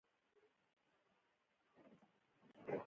خو کفایت نه کوي او اړوند واحدونه پدې برخه کې زیاته توجه وکړي.